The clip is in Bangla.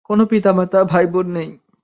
কোন পিতা-মাতা, ভাই-বোন নেই।